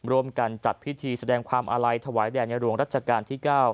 ร่วมกันจัดพิธีแสดงความอาลัยถวายแด่ในหลวงรัชกาลที่๙